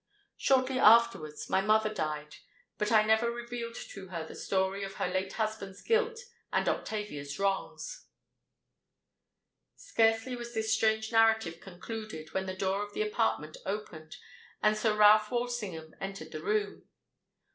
Shortly afterwards my mother died; but I never revealed to her the story of her late husband's guilt and Octavia's wrongs." Scarcely was this strange narrative concluded, when the door of the apartment opened, and Sir Ralph Walsingham entered the room.